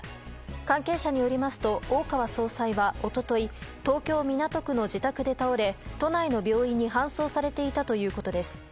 関係者によりますと大川総裁は一昨日東京・港区の自宅で倒れ都内の病院に搬送されていたということです。